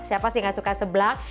siapa sih yang suka sebelah